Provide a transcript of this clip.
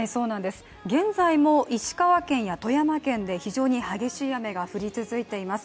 現在も石川県や富山県で非常に激しい雨が降り続いています。